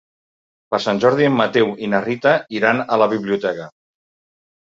Per Sant Jordi en Mateu i na Rita iran a la biblioteca.